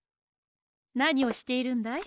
なにをしているんだい？